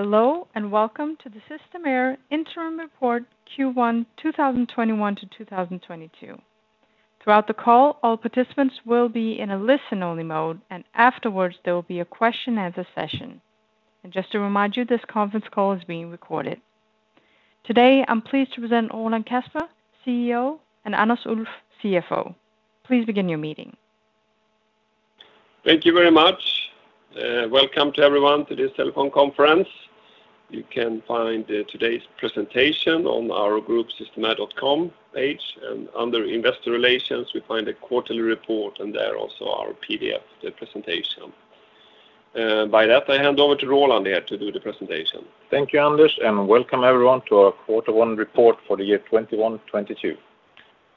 Hello, welcome to the Systemair Interim Report Q1 2021-2022. Throughout the call, all participants will be in a listen-only mode. Afterwards, there will be a question and answer session. Just to remind you, this conference call is being recorded. Today, I'm pleased to present Roland Kasper, CEO, and Anders Ulff, CFO. Please begin your meeting. Thank you very much. Welcome to everyone to this telephone conference. You can find today's presentation on our group, systemair.com page. Under Investor Relations, we find the quarterly report, and there also our PDF, the presentation. By that, I hand over to Roland here to do the presentation. Thank you, Anders, and welcome everyone to our quarter one report for the year 2021-2022.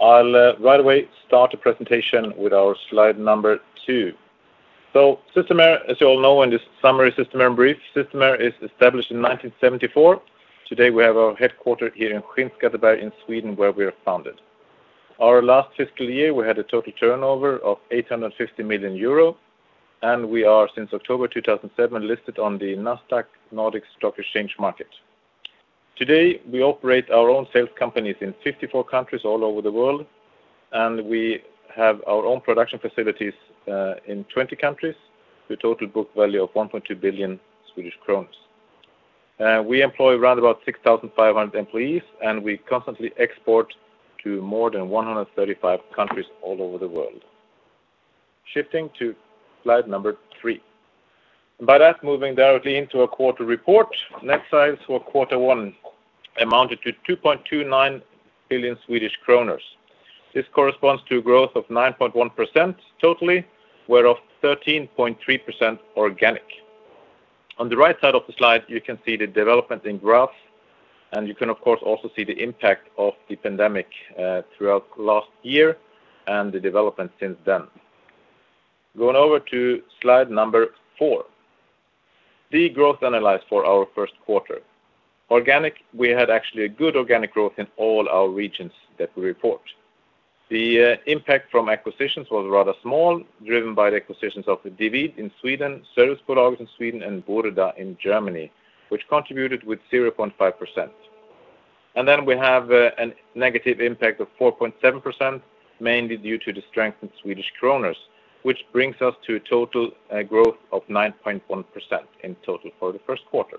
I'll right away start the presentation with our slide number two. Systemair, as you all know, in this summary, Systemair in Brief. Systemair is established in 1974. Today, we have our headquarter here in Skinnskatteberg in Sweden, where we are founded. Our last fiscal year, we had a total turnover of 850 million euro, and we are, since October 2007, listed on the Nasdaq Nordic stock exchange market. Today, we operate our own sales companies in 54 countries all over the world, and we have our own production facilities in 20 countries with a total book value of 1.2 billion. We employ around about 6,500 employees, and we constantly export to more than 135 countries all over the world. Shifting to slide number three. By that, moving directly into our quarter report. Net sales for Q1 amounted to 2.29 billion. This corresponds to growth of 9.1% totally, whereof 13.3% organic. On the right side of the slide, you can see the development in graphs. You can, of course, also see the impact of the pandemic throughout last year and the development since then. Going over to slide number four, the growth analyzed for our Q1. Organic, we had actually a good organic growth in all our regions that we report. The impact from acquisitions was rather small, driven by the acquisitions of DeWit in Sweden, Servicebolaget in Sweden, and Burda in Germany, which contributed with 0.5%. Then we have a negative impact of 4.7%, mainly due to the strength in Swedish Krona, which brings us to a total growth of 9.1% in total for the first quarter.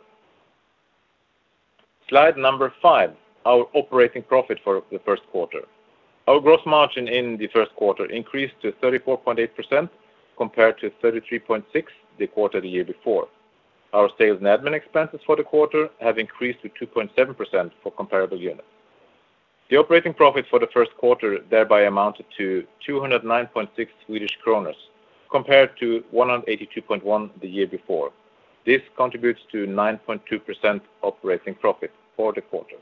Slide number five, our operating profit for the first quarter. Our gross margin in the first quarter increased to 34.8% compared to 33.6% the quarter the year before. Our sales and admin expenses for the quarter have increased to 2.7% for comparable units. The operating profit for the first quarter thereby amounted to 209.6, compared to 182.1 the year before. This contributes to 9.2% operating profit for the quarter.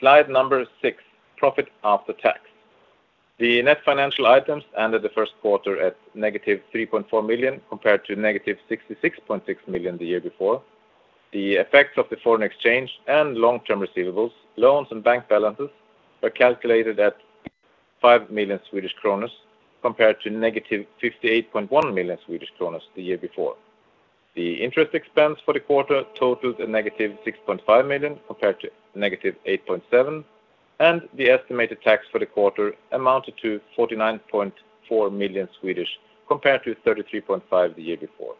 Slide number six, profit after tax. The net financial items ended the first quarter at -3.4 million, compared to -66.6 million the year before. The effects of the foreign exchange and long-term receivables, loans, and bank balances were calculated at 5 million, compared to -58.1 million the year before. The interest expense for the quarter totaled -6.5 million, compared to -8.7 million. The estimated tax for the quarter amounted to 49.4 million, compared to 33.5 million the year before.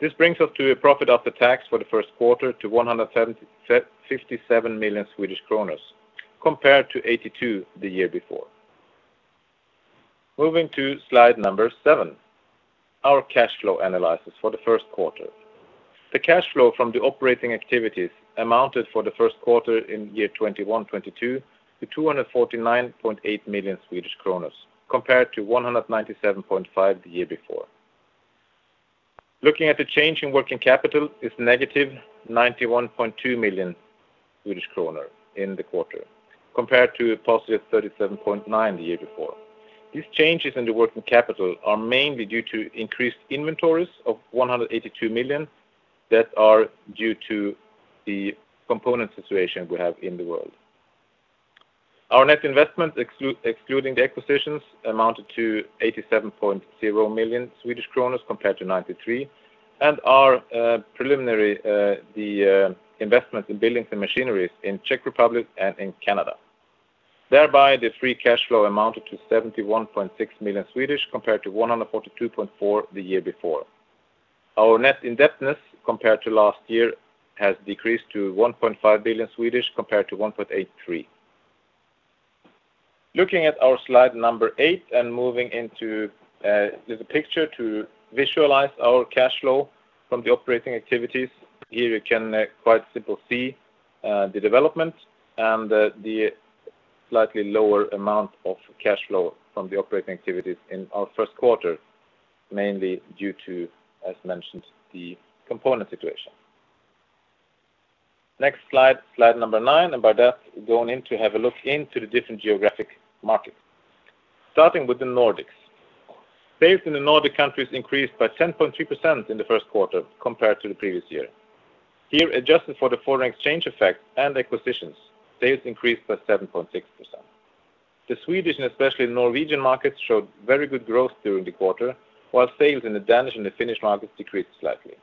This brings us to a profit after tax for the first quarter to 177.57 million, compared to 82 million the year before. Moving to slide number seven, our cash flow analysis for the first quarter. The cash flow from the operating activities amounted for the first quarter in year 2021-2022 to 249.8 million, compared to 197.5 million the year before. Looking at the change in working capital is -91.2 million Swedish kronor in the quarter, compared to a +37.9 million the year before. These changes in the working capital are mainly due to increased inventories of 182 million that are due to the component situation we have in the world. Our net investment, excluding the acquisitions, amounted to 87.0 million compared to 93 million, and are preliminary, the investments in buildings and machineries in Czech Republic and in Canada. Thereby, the free cash flow amounted to 71.6 million compared to 142.4 million the year before. Our net indebtedness compared to last year has decreased to 1.5 billion compared to 1.83 billion. Looking at our slide number eight and moving into the picture to visualize our cash flow from the operating activities. Here you can quite simply see the development and the slightly lower amount of cash flow from the operating activities in our first quarter, mainly due to, as mentioned, the component situation. Next slide number nine, and by that, going in to have a look into the different geographic markets. Starting with the Nordics. Sales in the Nordic countries increased by 10.3% in the first quarter compared to the previous year. Here, adjusted for the foreign exchange effect and acquisitions, sales increased by 7.6%. The Swedish and especially Norwegian markets showed very good growth during the quarter, while sales in the Danish and the Finnish markets decreased slightly.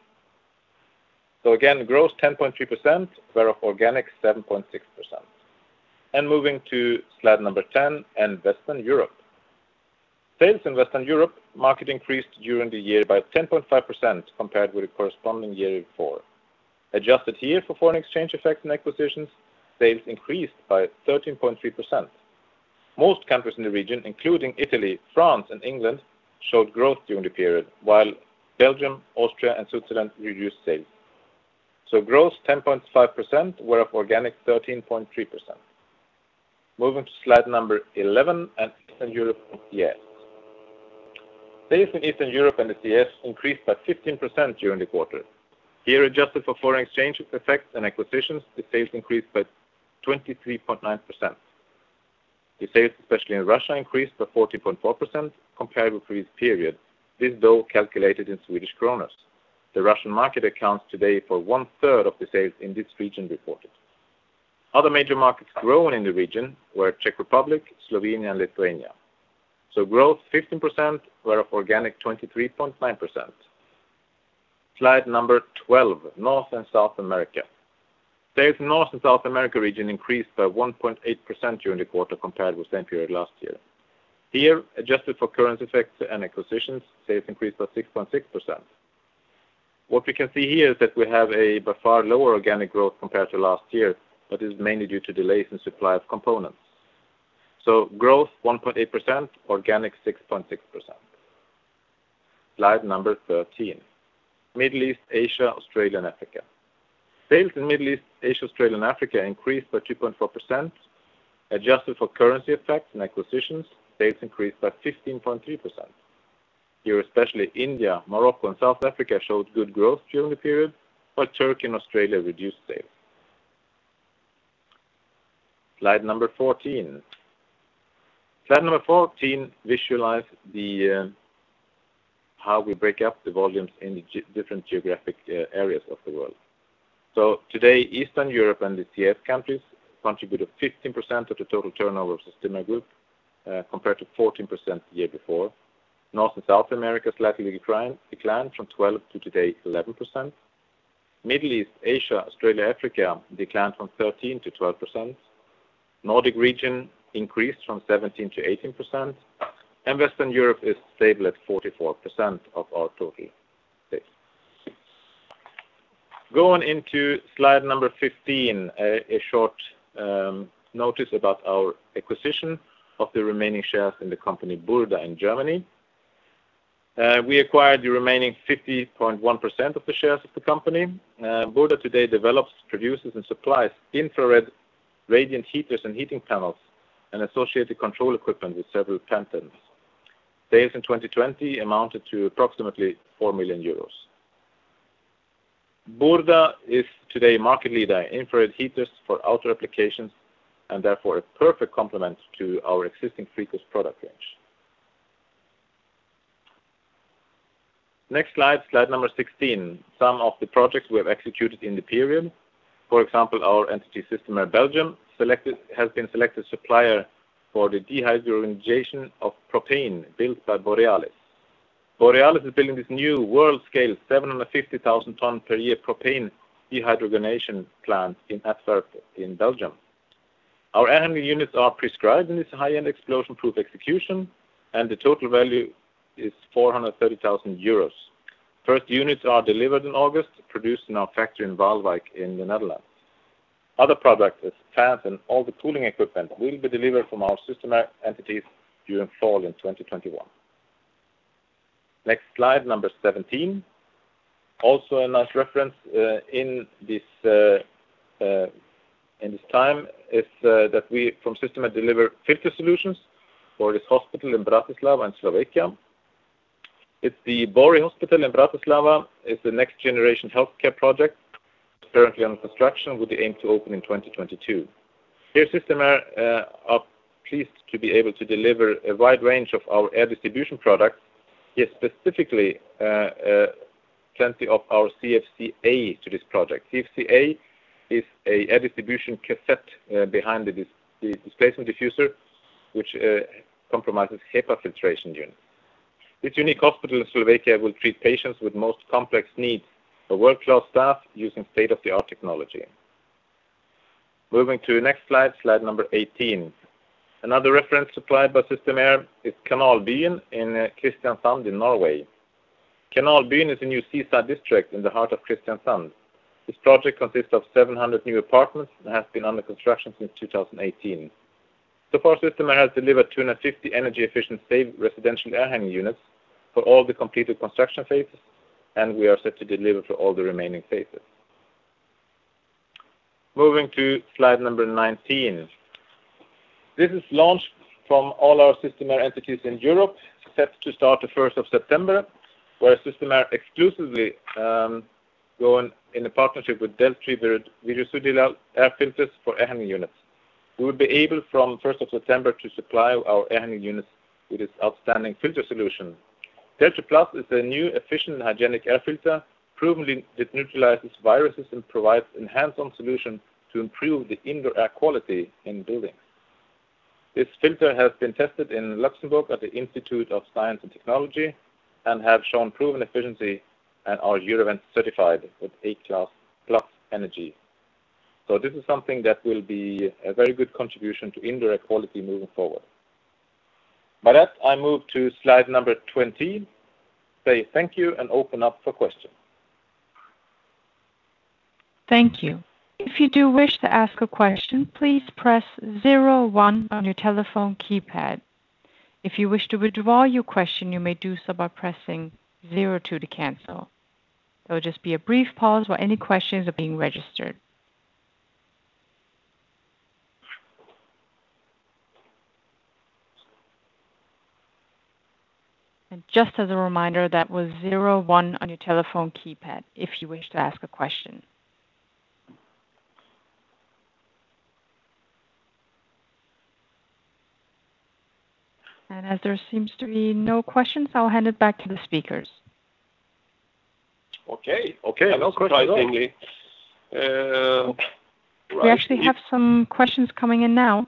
Again, growth 10.3%, thereof organic 7.6%. Moving to slide number 10, and Western Europe. Sales in Western Europe market increased during the year by 10.5% compared with the corresponding year before. Adjusted here for foreign exchange effects and acquisitions, sales increased by 13.3%. Most countries in the region, including Italy, France, and England, showed growth during the period, while Belgium, Austria, and Switzerland reduced sales. Growth 10.5%, whereof organic 13.3%. Moving to slide number 11 and Eastern Europe and CIS. Sales in Eastern Europe and the CIS increased by 15% during the quarter. Here, adjusted for foreign exchange effects and acquisitions, the sales increased by 23.9%. The sales, especially in Russia, increased by 14.4% comparable to this period. This, though, calculated in Swedish Kronors. The Russian market accounts today for 1/3 of the sales in this region reported. Other major markets growing in the region were Czech Republic, Slovenia, and Lithuania. Growth 15%, whereof organic 23.5%. Slide number 12, North and South America. Sales in North and South America region increased by 1.8% during the quarter compared with the same period last year. Here, adjusted for currency effects and acquisitions, sales increased by 6.6%. What we can see here is that we have a by far lower organic growth compared to last year, but is mainly due to delays in supply of components. Growth 1.8%, organic 6.6%. Slide number 13, Middle East, Asia, Australia, and Africa. Sales in Middle East, Asia, Australia, and Africa increased by 3.4%. Adjusted for currency effects and acquisitions, sales increased by 15.3%. Here, especially India, Morocco, and South Africa showed good growth during the period, while Turkey and Australia reduced sales. Slide number 14. Slide number 14 visualize how we break up the volumes in the different geographic areas of the world. Today, Eastern Europe and the CIS countries contribute to 15% of the total turnover of Systemair Group, compared to 14% the year before. North and South America slightly declined from 12% to today 11%. Middle East, Asia, Australia, Africa declined from 13%-12%. Nordic region increased from 17%-18%, and Western Europe is stable at 44% of our total sales. Going into slide number 15, a short notice about our acquisition of the remaining shares in the company Burda in Germany. We acquired the remaining 50.1% of the shares of the company. Burda today develops, produces, and supplies infrared radiant heaters and heating panels and associated control equipment with several patents. Sales in 2020 amounted to approximately 4 million euros. Burda is today market leader infrared heaters for outdoor applications and therefore a perfect complement to our existing Frico product range. Next slide number 16, some of the projects we have executed in the period. For example, our entity Systemair Belgium, has been selected supplier for the dehydrogenation of propane built by Borealis. Borealis is building this new world scale 750,000 ton per year propane dehydrogenation plant in Antwerp in Belgium. Our air handling units are prescribed in this high-end explosion proof execution, and the total value is 430,000 euros. First units are delivered in August, produced in our factory in Waalwijk in the Netherlands. Other products as fans and all the cooling equipment will be delivered from our Systemair entities during fall in 2021. Next slide, number 17. Also a nice reference in this time is that we from Systemair deliver filter solutions for this hospital in Bratislava in Slovakia. It's the Bory Hospital in Bratislava, is the next generation healthcare project currently under construction with the aim to open in 2022. Here, Systemair are pleased to be able to deliver a wide range of our air distribution products, yet specifically, plenty of our CFC-A to this project. CFC-A is an air distribution cassette behind the displacement diffuser, which comprises HEPA filtration unit. This unique hospital in Slovakia will treat patients with most complex needs for world-class staff using state-of-the-art technology. Moving to next slide, slide number 18. Another reference supplied by Systemair is Kanalbyen in Kristiansand in Norway. Kanalbyen is a new seaside district in the heart of Kristiansand. This project consists of 700 new apartments and has been under construction since 2018. So far, Systemair has delivered 250 energy efficient SAVE residential air handling units for all the completed construction phases, and we are set to deliver for all the remaining phases. Moving to slide number 19. This is launched from all our Systemair entities in Europe, set to start the 1st of September, where Systemair exclusively go in a partnership with Deltrian's virucidal air filters for air handling units. We will be able from 1st of September to supply our air handling units with this outstanding filter solution. DELTRI+ is a new efficient and hygienic air filter, provenly it neutralizes viruses and provides enhancement solution to improve the indoor air quality in buildings. This filter has been tested in Luxembourg at the Institute of Science and Technology, and have shown proven efficiency and are Eurovent certified with A+ energy. This is something that will be a very good contribution to indoor air quality moving forward. With that, I move to slide number 20, say thank you, and open up for questions. Thank you. If you do wish to ask a question, please press zero one on your telephone keypad. If you wish to withdraw your question, you may do so by pressing zero two to cancel. There will just be a brief pause while any questions are being registered. And just as a reminder, that was zero one on your telephone keypad, if you wish to ask a question. And as there seems to be no questions, I'll hand it back to the speakers. Okay. Surprisingly. We actually have some questions coming in now.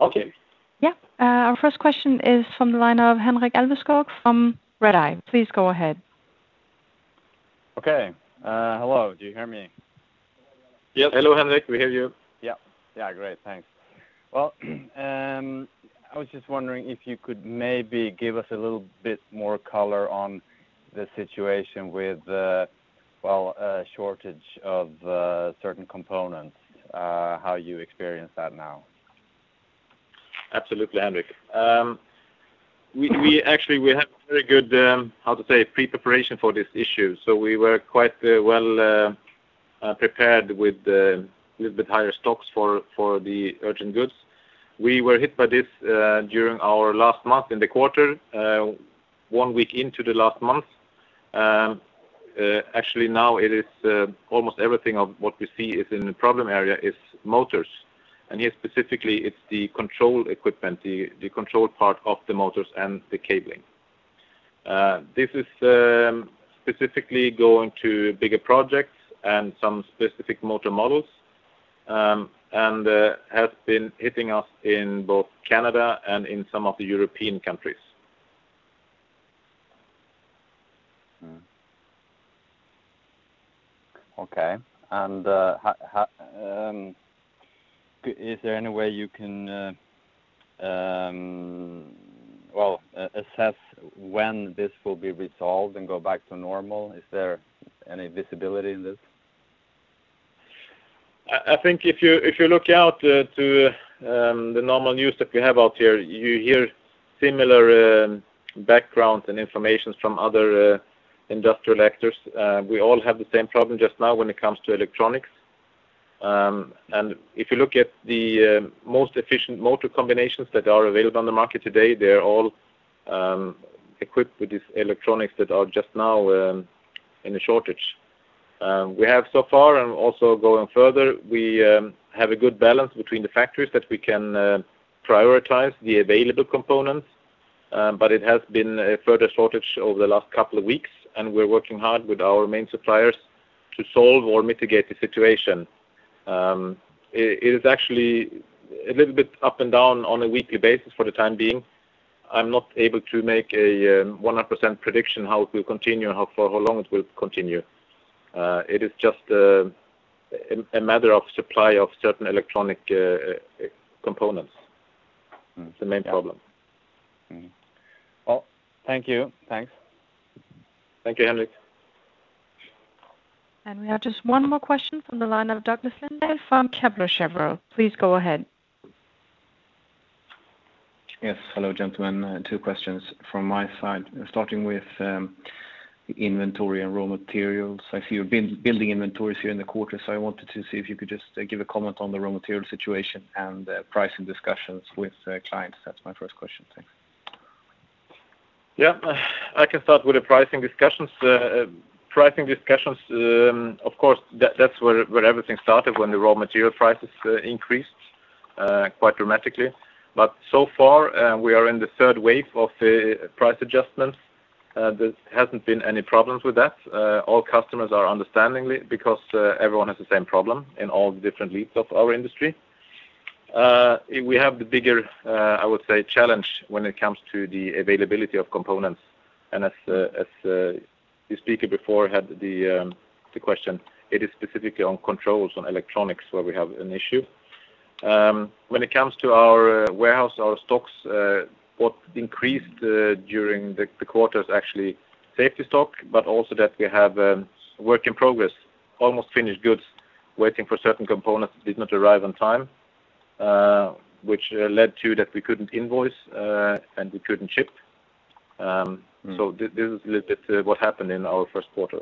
Okay. Yeah. Our first question is from the line of Henrik Alveskog from Redeye. Please go ahead. Okay. Hello, do you hear me? Yes. Hello, Henrik. We hear you. Yeah. Great. Thanks. Well, I was just wondering if you could maybe give us a little bit more color on the situation with the shortage of certain components, how you experience that now? Absolutely, Henrik. We actually had very good, how to say, pre-preparation for this issue. We were quite well prepared with little bit higher stocks for the urgent goods. We were hit by this during our last month in the quarter, one week into the last month. Now almost everything of what we see is in the problem area is motors, and yet specifically it's the control equipment, the control part of the motors and the cabling. This is specifically going to bigger projects and some specific motor models, and has been hitting us in both Canada and in some of the European countries. Okay. Is there any way you can assess when this will be resolved and go back to normal? Is there any visibility in this? I think if you look out to the normal news that we have out here, you hear similar backgrounds and informations from other industrial actors. We all have the same problem just now when it comes to electronics. If you look at the most efficient motor combinations that are available on the market today, they're all equipped with these electronics that are just now in a shortage. We have so far and also going further, we have a good balance between the factories that we can prioritize the available components, but it has been a further shortage over the last couple of weeks, and we're working hard with our main suppliers to solve or mitigate the situation. It is actually a little bit up and down on a weekly basis for the time being. I'm not able to make a 100% prediction how it will continue, how far, how long it will continue. It is just a matter of supply of certain electronic components. It's the main problem. Well, thank you. Thanks. Thank you, Henrik. We have just 1 more question from the line of Douglas Lindahl from Kepler Cheuvreux. Please go ahead. Yes. Hello, gentlemen. Two questions from my side, starting with inventory and raw materials. I see you've been building inventories here in the quarter, so I wanted to see if you could just give a comment on the raw material situation and the pricing discussions with clients. That's my first question. Thanks. Yeah. I can start with the pricing discussions. Pricing discussions, of course, that's where everything started when the raw material prices increased quite dramatically. So far, we are in the third wave of price adjustments. There hasn't been any problems with that. All customers are understandingly because everyone has the same problem in all the different leads of our industry. We have the bigger, I would say, challenge when it comes to the availability of components, and as the speaker before had the question, it is specifically on controls on electronics where we have an issue. When it comes to our warehouse, our stocks, what increased during the quarter is actually safety stock, but also that we have work in progress, almost finished goods waiting for certain components that did not arrive on time, which led to that we couldn't invoice, and we couldn't ship. This is a little bit what happened in our first quarter.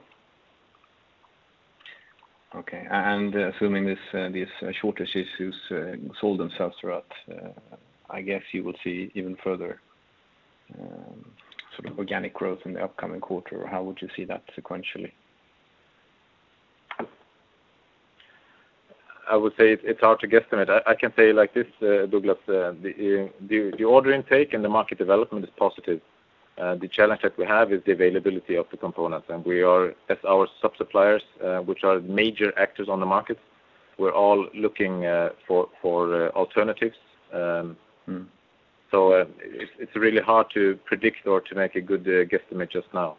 Okay, assuming these shortage issues solve themselves throughout, I guess you will see even further organic growth in the upcoming quarter, or how would you see that sequentially? I would say it's hard to guesstimate. I can say it like this, Douglas, the order intake and the market development is positive. The challenge that we have is the availability of the components. As our sub-suppliers, which are major actors on the market, we're all looking for alternatives. It's really hard to predict or to make a good guesstimate just now.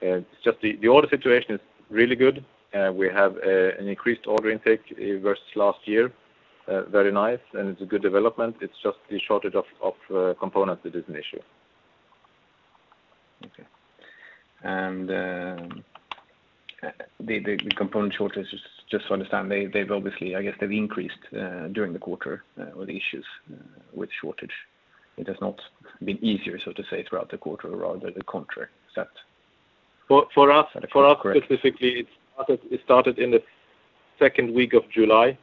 It's just the order situation is really good, and we have an increased order intake versus last year. Very nice. It's a good development. It's just the shortage of components that is an issue. Okay. The component shortages, just to understand, they've obviously, I guess, they've increased during the quarter with issues with shortage. It has not been easier, so to say, throughout the quarter, rather the contrary. Is that? For us- Correct. For us specifically, it started in the second week of July,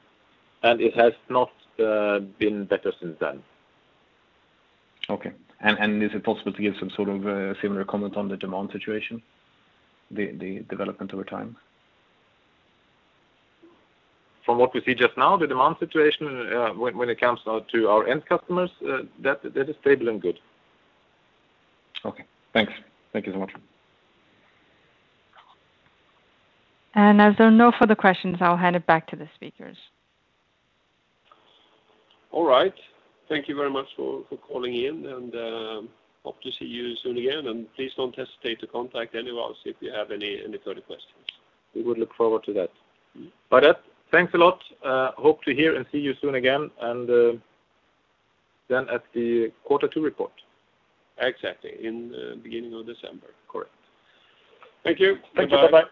and it has not been better since then. Okay. Is it possible to give some sort of similar comment on the demand situation, the development over time? From what we see just now, the demand situation, when it comes now to our end customers, that is stable and good. Okay, thanks. Thank you so much. As there are no further questions, I'll hand it back to the speakers. All right. Thank you very much for calling in, and hope to see you soon again. Please don't hesitate to contact any of us if you have any further questions. We would look forward to that. By that, thanks a lot. Hope to hear and see you soon again, at the quarter two report. Exactly, in the beginning of December. Correct. Thank you. Bye. Thank you. Bye-bye.